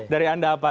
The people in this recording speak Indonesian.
dari anda apa